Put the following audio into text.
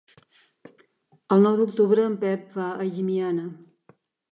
El nou d'octubre en Pep va a Llimiana.